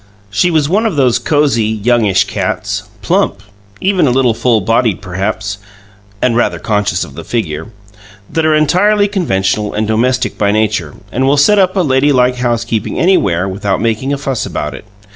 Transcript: She was one of those cozy, youngish cats plump, even a little full bodied, perhaps, and rather conscious of the figure that are entirely conventional and domestic by nature, and will set up a ladylike housekeeping anywhere without making a fuss about it.